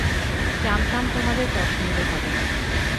জানতাম তোমাদের পছন্দ হবে।